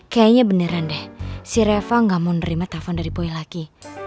kayaknya beneran deh si reva gak mau nerima telpon dari boy lagi